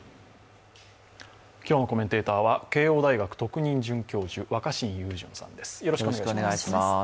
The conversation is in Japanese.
今日のコメンテーターは慶応大学特任准教授若新雄純さんです。